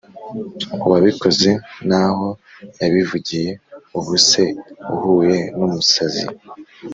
uwabikoze n’aho yabivugiye. ubu se uhuye n’umusazi